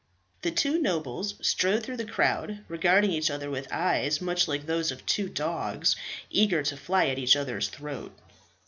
The two nobles strode through the crowd, regarding each other with eyes much like those of two dogs eager to fly at each other's throat.